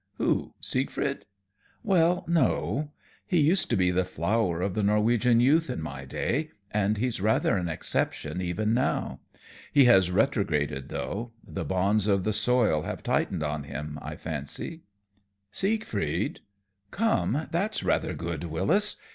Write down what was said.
"Who, Siegfried? Well, no. He used to be the flower of the Norwegian youth in my day, and he's rather an exception, even now. He has retrograded, though. The bonds of the soil have tightened on him, I fancy." "Siegfried? Come, that's rather good, Wyllis.